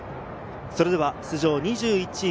それでは出場２１チーム。